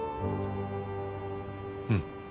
うん。